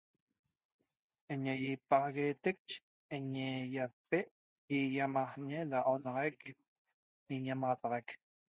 Eñe yapaxagueteq eñe yape da yayamaxñe da onaxaiq da iñamaxataxaq